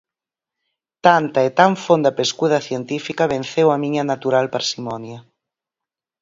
Tanta e tan fonda pescuda científica venceu a miña natural parsimonia.